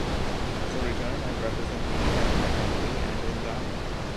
So return and represent me in my family and in thine.